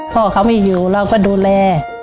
พ่อเขาไม่อยู่เราก็ดูแล